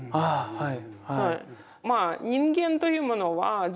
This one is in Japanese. はい。